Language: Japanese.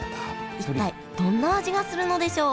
一体どんな味がするのでしょう？